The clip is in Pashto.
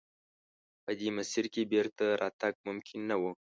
په دې مسیر کې بېرته راتګ ممکن نه و.